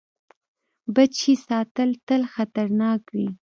بد شی ساتل تل خطرناک وي.